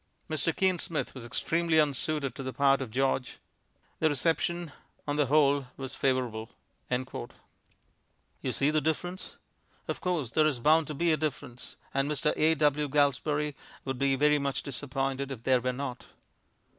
Mr. Kean Smith was extremely unsuited to the part of George.... The reception, on the whole, was favourable." You see the difference? Of course there is bound to be a difference, and Mr. A. W. Galsbarrie would be very much disappointed if there were not.